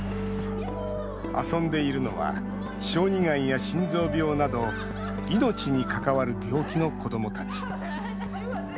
遊んでいるのは小児がんや心臓病など命に関わる病気の子どもたち。